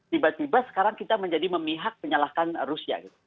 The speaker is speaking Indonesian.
tiba tiba sekarang kita menjadi memihak penyalahkan rusia